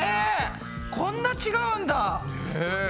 こんな違うんだ！ね。